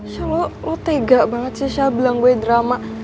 shell lo tega banget sih shell bilang gue drama